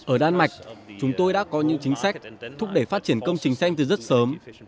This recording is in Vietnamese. ở đan mạch chúng tôi đã có những chính sách thúc đẩy phát triển công trình xanh từ rất sớm